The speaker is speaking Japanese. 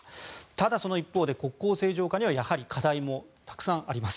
ただ、その一方で国交正常化にはやはり課題もたくさんあります。